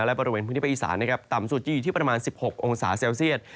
และบริเวณพื้นที่ภาคอีสานนะครับต่ำสุดจะอยู่ที่ประมาณ๑๖องศาเซลเซียต